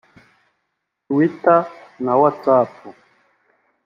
Twitter na Whatsapp